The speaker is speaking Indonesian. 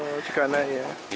oh juga naik ya